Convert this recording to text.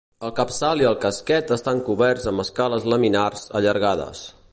El capçal i el casquet estan coberts amb escales laminars allargades.